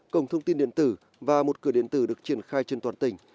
cổng thông tin điện tử và một cửa điện tử được triển khai trên toàn tỉnh